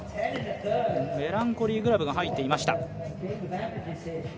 メランコリーグラブが入っていました。